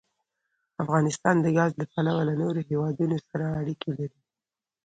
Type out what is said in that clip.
افغانستان د ګاز له پلوه له نورو هېوادونو سره اړیکې لري.